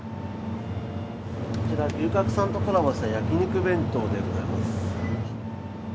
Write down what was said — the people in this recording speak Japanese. こちら、牛角さんとコラボした焼き肉弁当でございます。